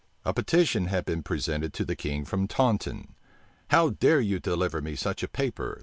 A petition had been presented to the king from Taunton. "How dare you deliver me such a paper?"